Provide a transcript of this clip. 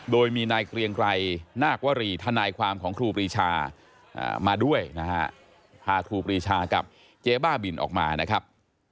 โดยมีนายเกรียงไกรนาควรีทนายความของครูปรีชามาด้วยนะฮะพาครูปรีชากับเจ๊บ้าบินออกมานะครับ